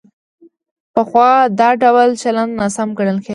پخوا دا ډول چلند ناسم ګڼل کېده.